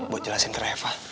buat jelasin ke refa